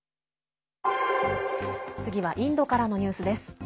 次はインドからのニュースです。